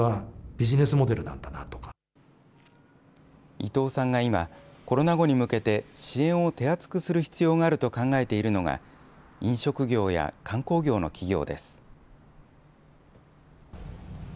伊藤さんが今、コロナ後に向けて支援を手厚くする必要があると考えているのが、飲食業や観光業の企業です。